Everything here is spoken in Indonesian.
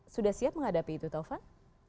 sudah siap menghadapi itu taufan